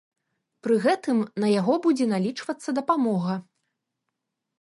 Пры гэтым на яго будзе налічвацца дапамога.